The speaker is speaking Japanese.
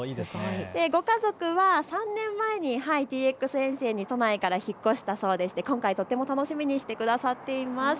ご家族は３年前にＴＸ沿線に３年前から引っ越したそうなんですが今回楽しみにしてくださっています。